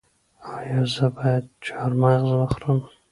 ایا زه باید چهارمغز وخورم؟